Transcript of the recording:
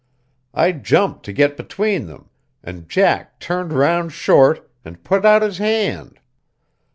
I jumped to get between them, and Jack turned round short, and put out his hand.